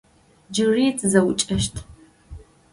Джыри тызэӏукӏэщт.